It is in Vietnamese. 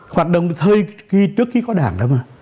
hoạt động hơi trước khi có đảng đó mà